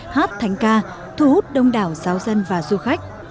hát thánh ca thu hút đông đảo giáo dân và du khách